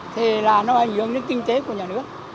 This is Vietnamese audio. thì là nó ảnh hưởng đến kinh tế của nhà nước